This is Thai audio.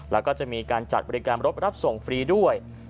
แล้วก็จะมีการจัดบริการรถรับส่งฟรีด้วย